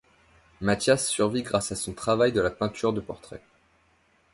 Matthias survit grâce à son travail de la peinture de portrait.